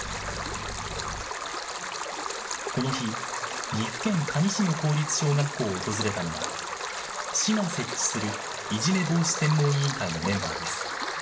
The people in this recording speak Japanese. この日、岐阜県可児市の公立小学校を訪れたのは、市が設置するいじめ防止専門委員会のメンバーです。